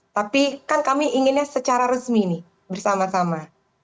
tapi kan kami inginnya secara resmi nih bersama sama